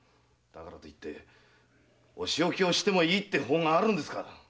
だからってお仕置きをしてもいいって法があるんですかい？